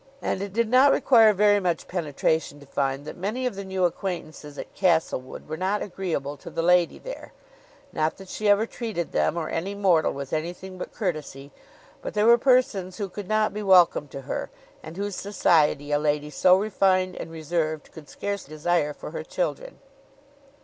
And it did not require very much penetration to find that many of the new acquaintances at Castlewood were not agreeable to the lady there: not that she ever treated them or any mortal with anything but courtesy; but they were persons who could not be welcome to her; and whose society a lady so refined and reserved could scarce desire for her children.